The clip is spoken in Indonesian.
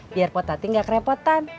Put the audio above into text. biar pak tati gak kerepotan